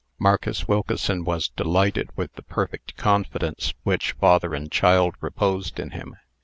Marcus Wilkeson was delighted with the perfect confidence which father and child reposed in him.